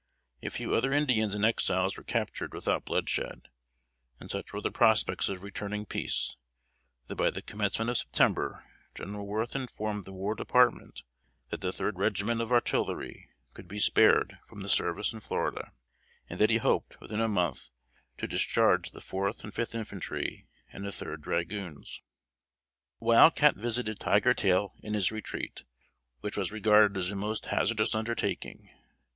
A few other Indians and Exiles were captured without bloodshed; and such were the prospects of returning peace, that by the commencement of September, General Worth informed the War Department that the 3d regiment of Artillery could be spared from the service in Florida; and that he hoped, within a month, to discharge the 4th and 5th Infantry, and the 3d Dragoons. [Illustration: Thlocklo Tustenuggee. (Tiger Tail.)] Wild Cat visited Tiger tail in his retreat, which was regarded as a most hazardous undertaking.